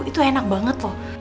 itu enak banget loh